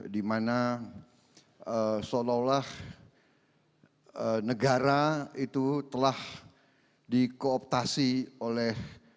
dimana seolah olah negara itu telah dikooptasi oleh